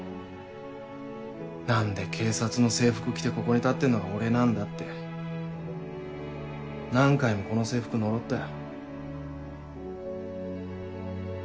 何で警察の制服着てここに立ってるのが俺なんだって何回もこの制服呪ったよ。